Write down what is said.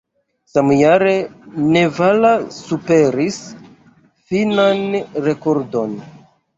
Samjare Nevala superis finnan rekordon.